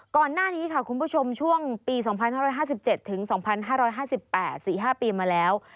ก่อนหน้านี้ค่ะคุณผู้ชมช่วงปี๒๕๕๗ถึง๒๕๕๘๔๕ปีมาแล้ว